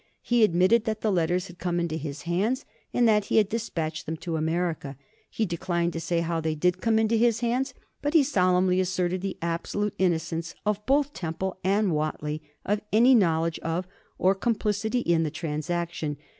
He admitted that the letters had come into his hands, and that he had despatched them to America. He declined to say how they did come into his hands, but he solemnly asserted the absolute innocence of both Temple and Whately of any knowledge of or complicity in the transaction.